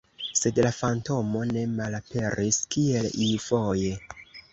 Sed la fantomo ne malaperis, kiel iufoje.